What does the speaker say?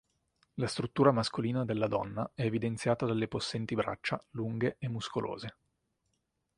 La struttura mascolina della donna è evidenziata dalle possenti braccia, lunghe e muscolose.